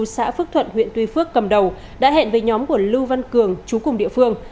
xã phước thuận huyện tuy phước cầm đầu đã hẹn với nhóm của lưu văn cường chú cùng địa phương